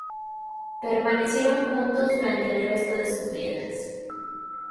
Permanecieron juntos durante el resto de sus vidas.